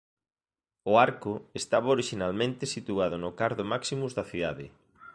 O arco estaba orixinalmente situado no cardo "maximus" da cidade.